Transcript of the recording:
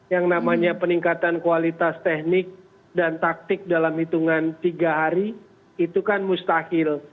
yang namanya peningkatan kualitas teknik dan taktik dalam hitungan tiga hari itu kan mustahil